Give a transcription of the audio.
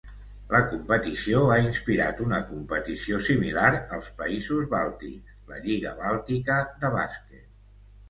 La competició ha inspirat una competició similar als països bàltics, la Lliga Bàltica de bàsquet.